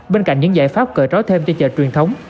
bên cạnh những giải pháp cờ trói thêm cho chợ truyền thống